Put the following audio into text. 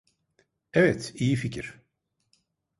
Evet, iyi fikir.